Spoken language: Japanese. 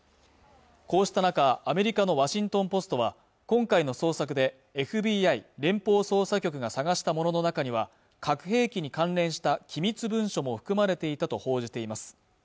こうした中アメリカの「ワシントン・ポスト」は今回の捜索でＦＢＩ＝連邦捜査局が捜したものの中には核兵器に関連した機密文書も含まれていたと報じています